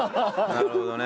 なるほどね。